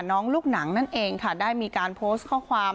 ลูกหนังนั่นเองค่ะได้มีการโพสต์ข้อความ